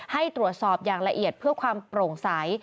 ให้ตรวจสอบอย่างละเอียดเพื่อความโปร่งใส